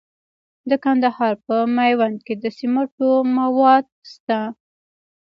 د کندهار په میوند کې د سمنټو مواد شته.